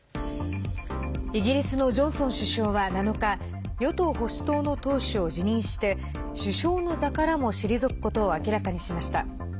イギリスのジョンソン首相は７日与党・保守党の党首を辞任して首相の座からも退くことを明らかにしました。